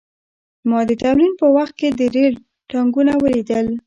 ما د تمرین په وخت کې د ریل ټانکونه ولیدل